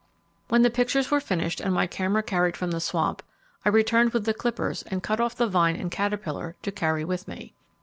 When the pictures were finished and my camera carried from the swamp, I returned with the clippers and cut off vine and caterpillar, to carry with me.